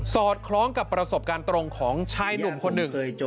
อดคล้องกับประสบการณ์ตรงของชายหนุ่มคนหนึ่ง